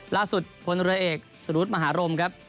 ล่าสุดพรเอกสรุธมหารมครับ